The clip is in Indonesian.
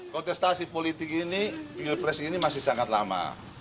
kontestasi politik ini pilpres ini masih sangat lama